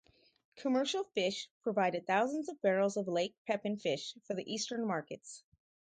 Commercial fish provided thousands of barrels of Lake Pepin fish for the eastern markets.